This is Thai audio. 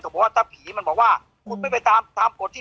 บอกว่าผีมรู้จักผมได้หรือเพราะผมก็งงน่ะพี่